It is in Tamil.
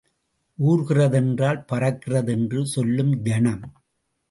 ஊர்கிறதென்றால் பறக்கிறது என்று சொல்லும் ஜனம்.